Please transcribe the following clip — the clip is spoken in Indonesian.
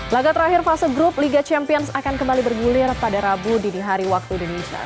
laga terakhir fase grup liga champions akan kembali bergulir pada rabu dini hari waktu indonesia